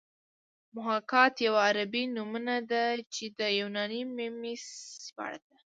محاکات یوه عربي نومونه ده چې د یوناني میمیسیس ژباړه ده